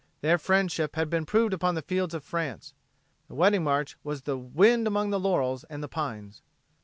Their friendship had been proved upon the fields of France. The wedding march was the wind among the laurels and the pines.